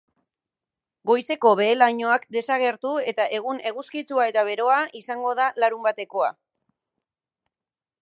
Goizeko behe lainoak desagertu eta egun eguzkitsua eta beroa izango da larunbatekoa.